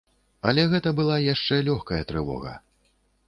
Але гэта была яшчэ лёгкая трывога.